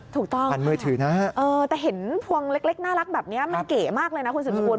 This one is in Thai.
ถูกต้องค่ะแต่เห็นพวงเล็กน่ารักแบบนี้มันเก๋มากเลยนะคุณสิบสมบูรณ์